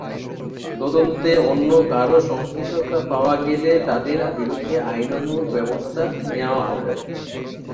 তদন্তে অন্য কারও সংশ্লিষ্টতা পাওয়া গেলে তঁাদের বিরুদ্ধেও আইনানুগ ব্যবস্থা নেওয়া হবে।